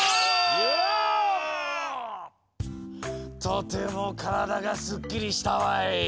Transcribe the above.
とてもからだがスッキリしたわい。